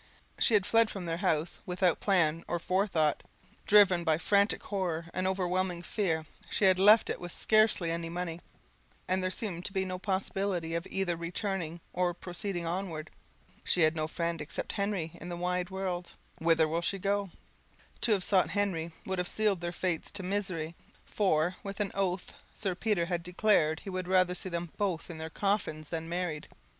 She had fled from their house without plan or forethought driven by frantic horror and overwhelming fear, she had left it with scarcely any money, and there seemed to her no possibility of either returning or proceeding onward. She had no friend except Henry in the wide world; whither could she go? to have sought Henry would have sealed their fates to misery; for, with an oath, Sir Peter had declared he would rather see them both in their coffins than married.